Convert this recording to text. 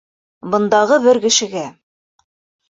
Бындағы бер кешегә.